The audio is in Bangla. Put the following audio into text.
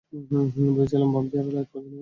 ভেবেছিলাম ভ্যাম্পায়াররা লাইট পছন্দ করে না।